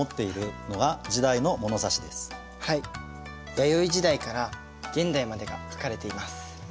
弥生時代から現代までが書かれています。